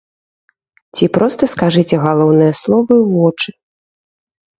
Ці проста скажыце галоўныя словы ў вочы.